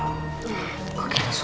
kalian gak akan nyesel